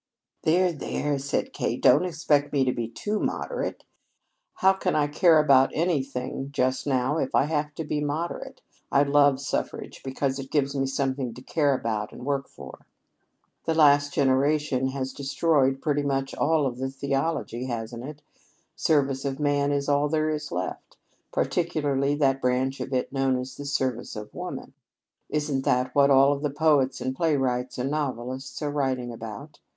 "There, there," said Kate, "don't expect me to be too moderate. How can I care about anything just now if I have to be moderate? I love suffrage because it gives me something to care about and to work for. The last generation has destroyed pretty much all of the theology, hasn't it? Service of man is all there is left particularly that branch of it known as the service of woman. Isn't that what all of the poets and playwrights and novelists are writing about?